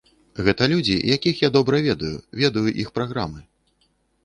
Гэта людзі, якіх я добра ведаю, ведаю іх праграмы.